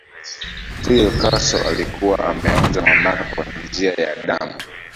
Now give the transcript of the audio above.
Fidel Castro alikuwa ameonja mamlaka kwa njia ya damu